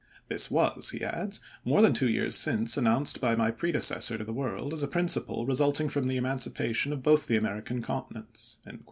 This was," he adds, "more than two years since, announced by my predecessor to the world, as a principle re sulting from the emancipation of both the Ameri can continents."